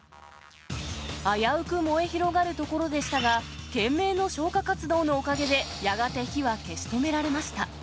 危うく燃え広がるところでしたが、懸命の消火活動のおかげで、やがて火は消し止められました。